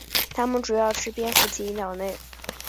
它们主要吃蝙蝠及鸟类。